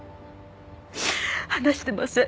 話してません。